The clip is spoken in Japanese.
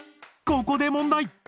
ここで問題！